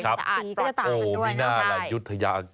สะอาดปรับปรับโอมินาลายุทยากิน